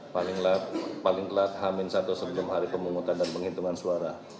paling telat paling telat hamin satu sebelum hari pemungutan dan penghitungan suara